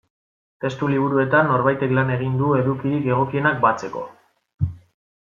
Testu liburuetan norbaitek lan egin du edukirik egokienak batzeko.